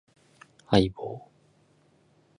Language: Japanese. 相棒